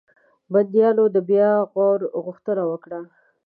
بنديانو د بیا غور غوښتنه وکړه.